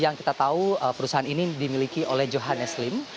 yang kita tahu perusahaan ini dimiliki oleh johannes lim